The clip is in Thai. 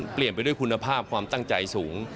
เปลี่ยนไปด้วยคุณภาพความตั้งใจสูง